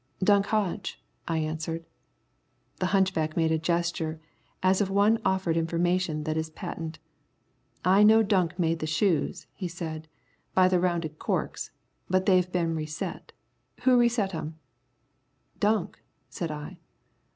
"Dunk Hodge," I answered. The hunchback made a gesture as of one offered information that is patent. "I know Dunk made the shoes," he said, "by the round corks. But they've been reset. Who reset 'em?" "Dunk," said I.